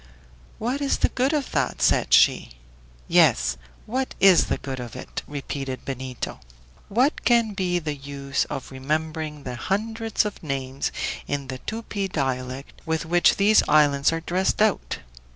"What is the good of that?" said she. "Yes; what is the good of it?" repeated Benito. "What can be the use of remembering the hundreds of names in the 'Tupi' dialect with which these islands are dressed out?